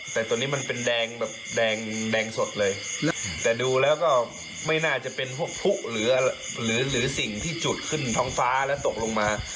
แต่ตัวนี้มันเป็นแดงแบบแดงแดงสดเลยแต่ดูแล้วก็ไม่น่าจะเป็นพวกผู้หรือสิ่งที่จุดขึ้นท้องฟ้าแล้วตกลงมา